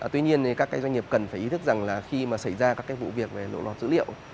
tuy nhiên thì các cái doanh nghiệp cần phải ý thức rằng là khi mà xảy ra các cái vụ việc về lộ lọt dữ liệu